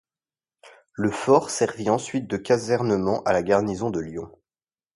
Le fort servit ensuite de casernement à la garnison de Lyon.